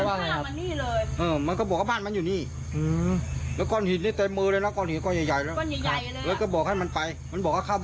แล้วเขาได้ทำร้ายใครมั้ยครับ